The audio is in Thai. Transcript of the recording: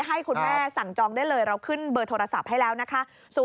ให้คุณแม่สั่งจองได้เลยเราขึ้นเบอร์โทรศัพท์ให้แล้วนะคะ